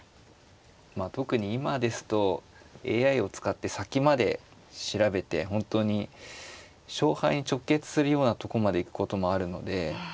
まあ特に今ですとＡＩを使って先まで調べて本当に勝敗に直結するようなとこまで行くこともあるので。